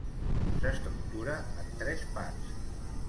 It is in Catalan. s'estructura en tres parts